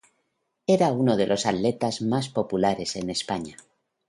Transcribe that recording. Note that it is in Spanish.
Era uno de los atletas más populares en España.